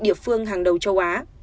địa phương hàng đầu châu á